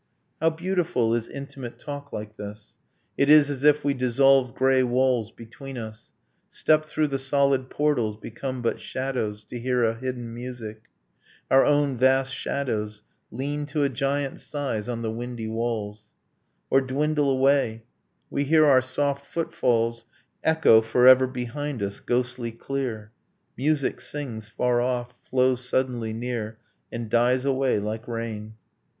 'How beautiful is intimate talk like this! It is as if we dissolved grey walls between us, Stepped through the solid portals, become but shadows, To hear a hidden music ... Our own vast shadows Lean to a giant size on the windy walls, Or dwindle away; we hear our soft footfalls Echo forever behind us, ghostly clear, Music sings far off, flows suddenly near, And dies away like rain